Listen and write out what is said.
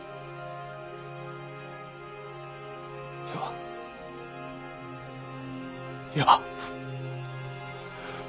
いやいや。